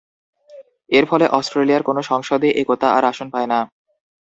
এর ফলে, অস্ট্রেলিয়ার কোন সংসদে একতা আর আসন পায় না।